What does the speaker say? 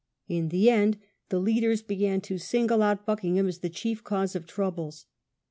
In the end the leaders began to single out Buckingham as the chief cause of troubles.